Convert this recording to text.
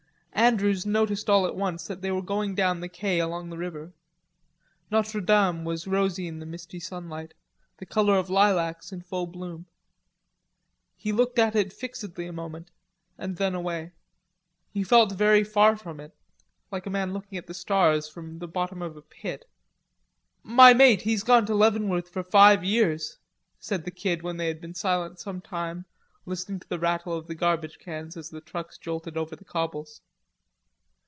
Andrews noticed all at once that they were going down the quais along the river. Notre Dame was rosy in the misty sunlight, the color of lilacs in full bloom. He looked at it fixedly a moment, and then looked away. He felt very far from it, like a man looking at the stars from the bottom of a pit. "My mate, he's gone to Leavenworth for five years," said the Kid when they had been silent some time listening to the rattle of the garbage cans as the trucks jolted over the cobbles.